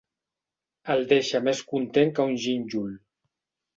El deixa més content que un gínjol.